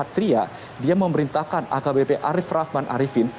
dia memerintahkan akbp arief rahman arifin